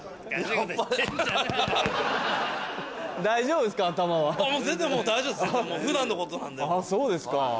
大丈夫ですか？